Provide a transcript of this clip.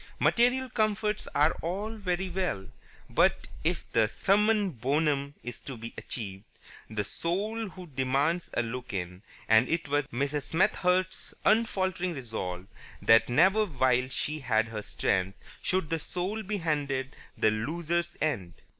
Material comforts are all very well, but, if the summum bonum is to be achieved, the Soul also demands a look in, and it was Mrs. Smethurst's unfaltering resolve that never while she had her strength should the Soul be handed the loser's end.